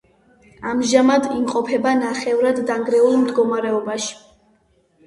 ამჟამად იმყოფება ნახევრად დანგრეულ მდგომარეობაში.